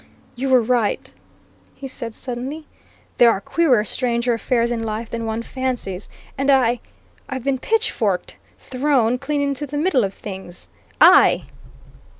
"You were right!" he said suddenly. "There are queerer, stranger affairs in life than one fancies! And I I've been pitchforked thrown clean into the middle of things! I!"